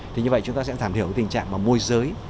thì như vậy chúng ta sẽ giảm thiểu cái tình trạng mà môi giới